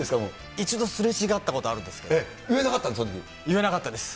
一度すれ違ったことあるんで言えなかったんですか、言えなかったです。